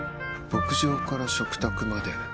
牧場から食卓まで。